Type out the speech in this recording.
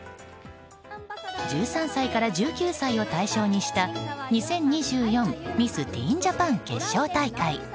１３歳から１９歳を対象にした２０２４年ミス・ティーン・ジャパン決勝大会。